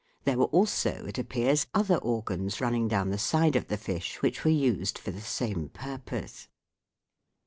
There were also, it appears, other organs running down the side of the fish which were used for the same purpose.